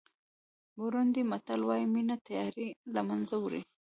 بورونډي متل وایي مینه تیارې له منځه وړي.